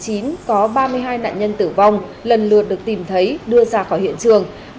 có ba mươi hai nạn nhân tử vong lần lượt được tìm thấy đưa ra khỏi hiện trường